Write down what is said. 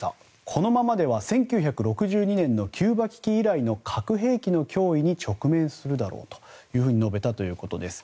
このままでは１９６２年のキューバ危機以来の核兵器の脅威に直面するだろうと述べたということです。